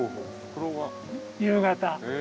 夕方。